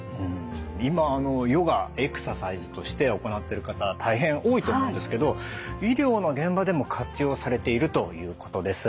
今あのヨガエクササイズとして行ってる方大変多いと思うんですけど医療の現場でも活用されているということです。